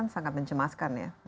sangat mencemaskan ya